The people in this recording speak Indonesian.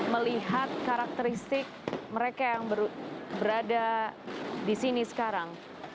melihat karakteristik mereka yang berada disini sekarang